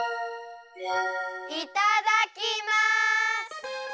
いただきます！